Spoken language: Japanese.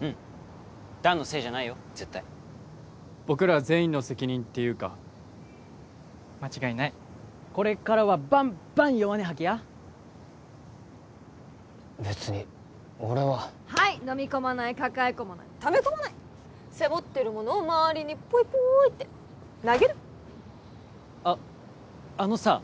うん弾のせいじゃないよ絶対僕ら全員の責任っていうか間違いないこれからはバンバン弱音吐きや別に俺ははいのみ込まない抱え込まないため込まない背負ってるものを周りにポイポイって投げるあっあのさ